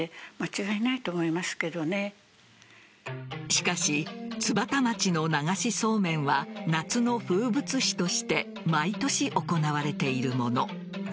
しかし津幡町の流しそうめんは夏の風物詩として毎年行われているもの。